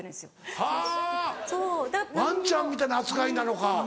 はぁワンちゃんみたいな扱いなのか。